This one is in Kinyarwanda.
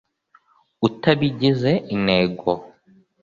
Utabigize intego.